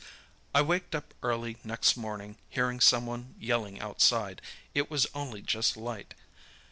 "I waked up early next morning hearing someone yelling outside. It was only just light.